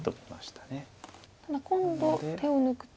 ただ今度手を抜くと。